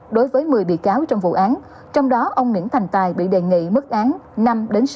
đối với một mươi bị cáo trong vụ án trong đó ông nguyễn thành tài bị đề nghị mức án năm sáu